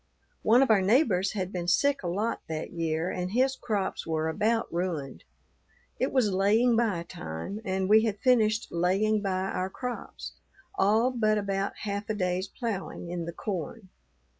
One of our neighbors had been sick a lot that year and his crops were about ruined. It was laying by time and we had finished laying by our crops all but about half a day's ploughing in the corn.